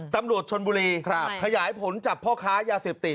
ตำรวจชนบุรีขยายผลจับพ่อค้ายาเสพติด